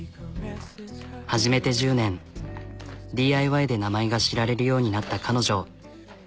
始めて１０年ＤＩＹで名前が知られるようになった彼女。